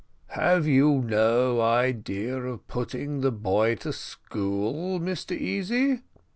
"Have you no idea of putting the boy to school, Mr Easy?"